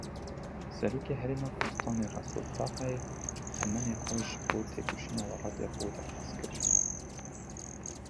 Serokê Herêma Kurdistanê Resûl Feqê, temenê xwe ji bo têkoşîna welatê xwe derbas kir.